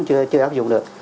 chưa áp dụng được